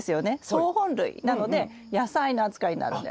草本類なので野菜の扱いになるんです。